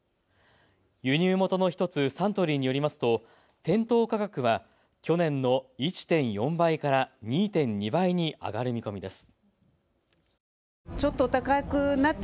輸入元の１つ、サントリーによりますと店頭価格は去年の１．４倍から２．２倍に上がる見込みです。